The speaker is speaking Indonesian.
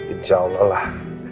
insya allah lah